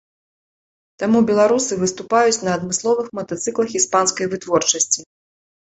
Таму беларусы выступаюць на адмысловых матацыклах іспанскай вытворчасці.